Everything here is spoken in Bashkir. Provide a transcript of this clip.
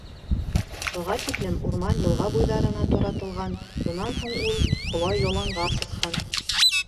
Быға тиклем урман йылға буйҙарына таратылған, бынан һуң ул ҡола яланға сыҡһын.